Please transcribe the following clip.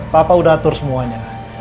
papa udah atur semuanya